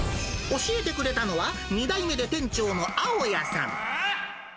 教えてくれたのは、２代目で店長の青谷さん。